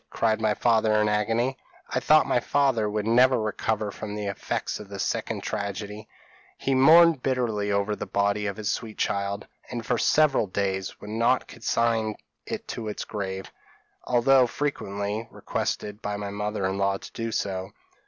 cried my father, in agony. "I thought my father would never recover from the effects of this second tragedy; he mourned bitterly over the body of his sweet child, and for several days would not consign it to its grave, although frequently requested by my mother in law to do so.